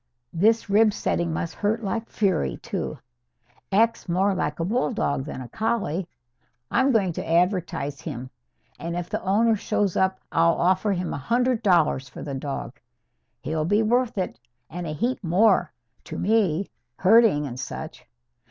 This rib setting must hurt like fury, too. Acts more like a bulldog than a collie. I'm going to advertise him. And if the owner shows up, I'll offer him a hundred dollars for the dog. He'll be worth it, and a heap more, to me, herding and such.